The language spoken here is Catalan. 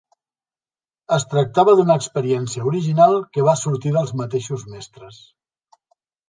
Es tractava d’una experiència original que va sorgir dels mateixos mestres.